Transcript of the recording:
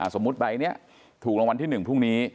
สมมุติที่ถูกรางวัลที่หนึ่งผู้นี้